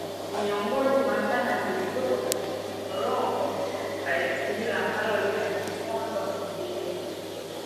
Miongoni mwa zana zilizopo katika korongo la Isimila ambalo lina mikondo miwili